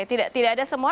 tidak ada semua